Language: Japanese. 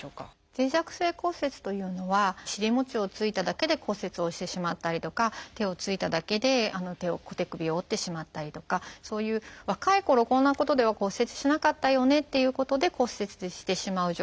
脆弱性骨折というのは尻もちをついただけで骨折をしてしまったりとか手をついただけで手首を折ってしまったりとかそういう若いころこんなことでは骨折しなかったよねっていうことで骨折してしまう状態